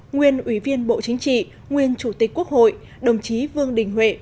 nguyên ủy viên bộ chính trị nguyên chủ tịch quốc hội đồng chí vương đình huệ